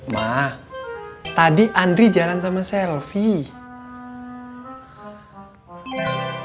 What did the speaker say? mah tadi andri jalan sama selfie